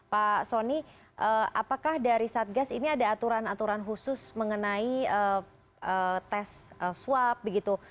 pak soni apakah dari satgas ini ada aturan aturan khusus mengenai tes swab begitu